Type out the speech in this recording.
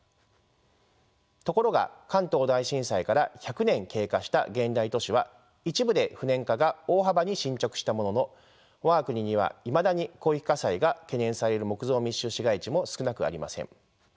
ところが関東大震災から１００年経過した現代都市は一部で不燃化が大幅に進捗したものの我が国にはいまだに広域火災が懸念される木造密集市街地も少なくありません。